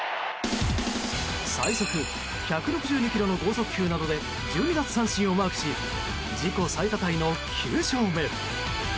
最速１６２キロの豪速球などで１２奪三振をマークし自己最多タイの９勝目。